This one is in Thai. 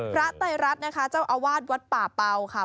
ไตรรัฐนะคะเจ้าอาวาสวัดป่าเป่าค่ะ